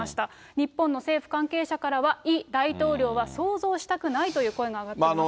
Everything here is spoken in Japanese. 日本の政府関係者からは、イ大統領は想像したくないという声が上がっています。